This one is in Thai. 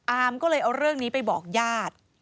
อามก็เลยเอาเรื่องนี้ไปบอกญาติ